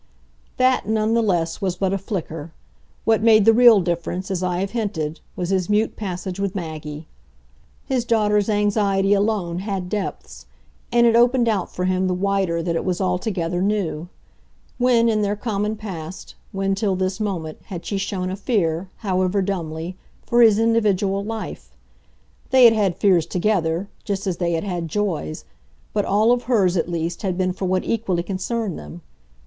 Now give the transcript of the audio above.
That, none the less, was but a flicker; what made the real difference, as I have hinted, was his mute passage with Maggie. His daughter's anxiety alone had depths, and it opened out for him the wider that it was altogether new. When, in their common past, when till this moment, had she shown a fear, however dumbly, for his individual life? They had had fears together, just as they had had joys, but all of hers, at least, had been for what equally concerned them.